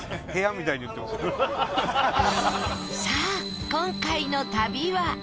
さあ今回の旅は。